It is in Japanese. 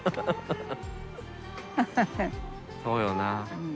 そうよなぁ。